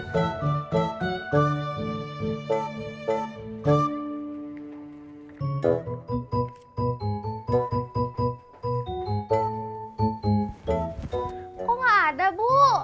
kok gak ada bu